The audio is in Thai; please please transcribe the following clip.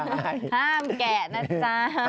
ห้ามแกะนะจ๊ะ